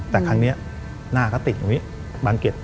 แต่ครั้งนี้หน้าเขาติดอย่างนี้บางเก็ต